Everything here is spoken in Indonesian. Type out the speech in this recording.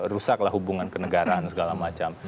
rusaklah hubungan kenegaraan segala macam